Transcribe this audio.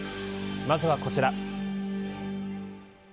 まずは、こちら。